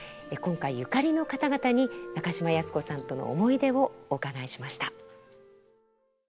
今回ゆかりの方々に中島靖子さんとの思い出をお伺いしました。